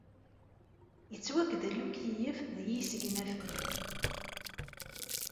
Yettwagdel ukeyyef deg yisegnafen.